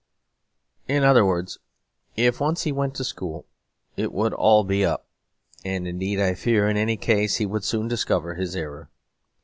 In other words, if once he went to school it would be all up; and indeed I fear in any case he would soon discover his error.